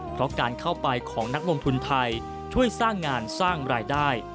เพราะการเข้าไปของนักลงทุนไทยช่วยสร้างงานสร้างรายได้